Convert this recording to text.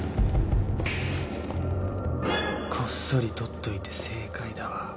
こっそり取っといて正解だわ。